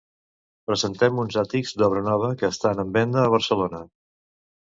Presentem uns àtics d'obra nova que estan en venda a Barcelona.